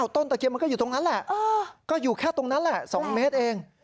ตะเคียนมันก็อยู่ตรงนั้นแหละก็อยู่แค่ตรงนั้นแหละ๒เมตรเอง